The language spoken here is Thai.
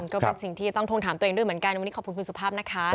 ก็เป็นสิ่งที่ต้องทวงถามตัวเองด้วยเหมือนกันวันนี้ขอบคุณคุณสุภาพนะคะ